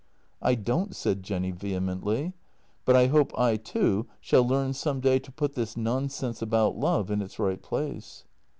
" I don't," said Jenny vehemently, "but I hope I, too, shall learn some day to put this nonsense about love in its right place."